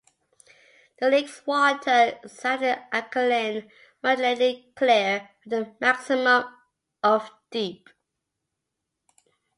The lake's water is slightly alkaline, moderately clear, with a maximum of deep.